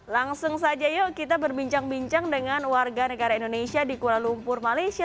langsung saja yuk kita berbincang bincang dengan warga negara indonesia di kuala lumpur malaysia